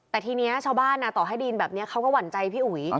แต่ทีนี้ชาวบ้านต่อให้ดินแบบนี้เขาก็หวั่นใจพี่อุ๋ย